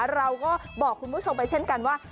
เราก็บอกคุณผู้ชมไปเช่นกันว่า